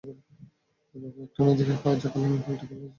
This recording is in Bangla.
এভাবে একটা নদীকে কাগজে-কলমে পাল্টে ফেলে সেটিকে আনা হয়েছে ইজারার আওতায়।